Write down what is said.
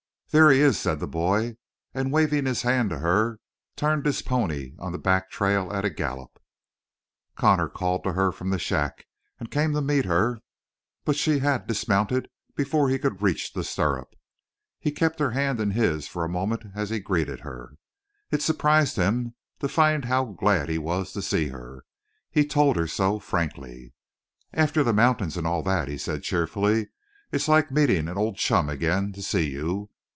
"There he is," said the boy, and waving his hand to her, turned his pony on the back trail at a gallop. Connor called to her from the shack and came to meet her, but she had dismounted before he could reach the stirrup. He kept her hand in his for a moment as he greeted her. It surprised him to find how glad he was to see her. He told her so frankly. "After the mountains and all that," he said cheerfully, "it's like meeting an old chum again to see you.